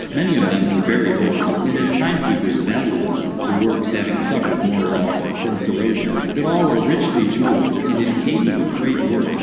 Many of them were very old, and as timekeepers valueless; the works having suffered, more or less, from corrosion—but all were richly jewelled and in cases of great worth.